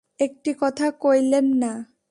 একটি কথা কইলেন না।